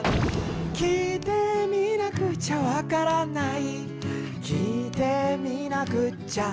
「きいてみなくちゃわからない」「きいてみなくっちゃ」